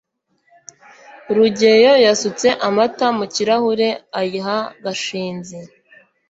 rugeyo yasutse amata mu kirahure ayiha gashinzi